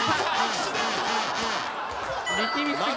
力みすぎ。